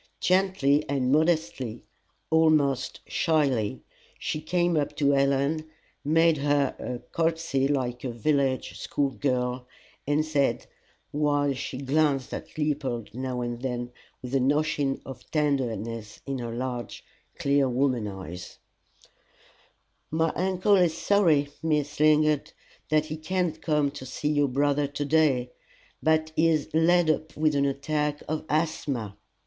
Gently and modestly, almost shyly, she came up to Helen, made her a courtesy like a village school girl, and said, while she glanced at Leopold now and then with an ocean of tenderness in her large, clear woman eyes: "My uncle is sorry, Miss Lingard, that he cannot come to see your brother to day, but he is laid up with an attack of asthma.